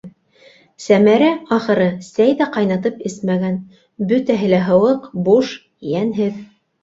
Сәмәрә, ахыры, сәй ҙә ҡайнатып эсмәгән - бөтәһе лә һыуыҡ, буш, йәнһеҙ.